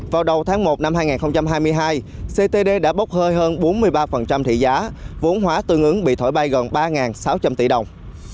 vào đầu tháng một năm hai nghìn hai mươi hai ctd đã bốc hơi hơn bốn mươi ba thị giá vốn hóa tương ứng bị thổi bay gần ba sáu trăm linh tỷ đồng